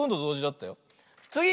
つぎ！